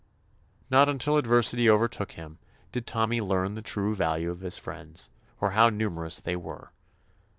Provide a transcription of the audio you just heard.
Not until adversity overtook him did Tommy learn the true value of his friends, or how numerous they were.